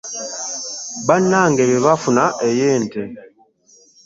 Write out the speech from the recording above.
Bannange be baafuna ey'ente.